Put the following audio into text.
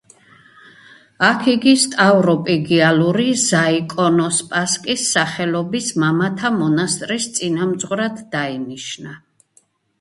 აქ იგი სტავროპიგიალური ზაიკონოსპასკის სახელობის მამათა მონასტრის წინამძღვრად დაინიშნა.